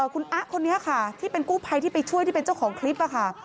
คุณอะคนนี้ค่ะที่เป็นกู้ภัยที่ไปช่วยที่เป็นเจ้าของคลิปค่ะ